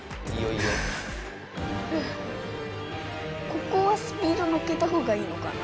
ここはスピードのっけたほうがいいのかな？